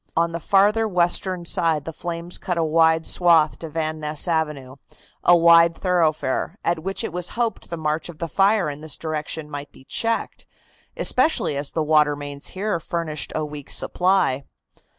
On the farther western side the flames cut a wide swath to Van Ness Avenue, a wide thoroughfare, at which it was hoped the march of the fire in this direction might be checked, especially as the water mains here furnished a weak supply.